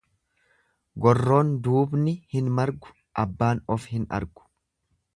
Gorroon duubni hin margu, abbaan of hin argu.